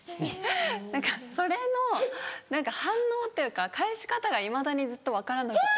何かそれの反応っていうか返し方がいまだにずっと分からなくて。